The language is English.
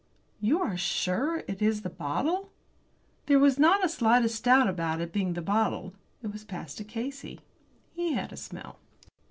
"You are sure it is the bottle?" There was not the slightest doubt about its being the bottle. It was passed to Casey. He had a smell.